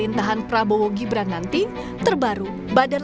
distribusinya juga tidak mudah